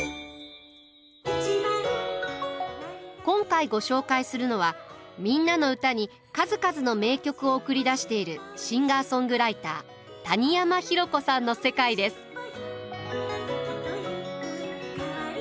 今回ご紹介するのは「みんなのうた」に数々の名曲を送り出しているシンガーソングライター「谷山浩子さんの世界」です。